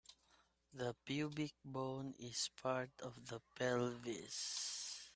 The pubic bone is part of the pelvis.